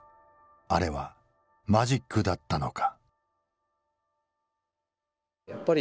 あれはマジックだったのか。